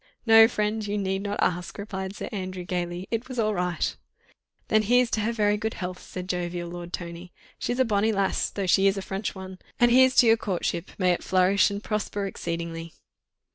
"No, friend, you need not ask," replied Sir Andrew, gaily. "It was all right." "Then here's to her very good health," said jovial Lord Tony. "She's a bonnie lass, though she is a French one. And here's to your courtship—may it flourish and prosper exceedingly."